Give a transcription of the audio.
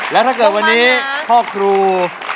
แล้วถ้าเกิดวันนี้พ่อครู